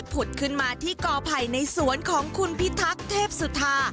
ผุดขึ้นมาที่กอไผ่ในสวนของคุณพิทักษ์เทพสุธา